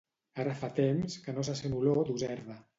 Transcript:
Ara fa temps que no se sent olor d'userda